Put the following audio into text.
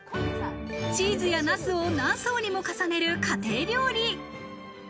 チーズやナスを何層にも重ねる家庭料理。